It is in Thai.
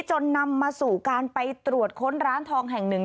จนนำมาสู่การไปตรวจค้นร้านทองแห่งหนึ่ง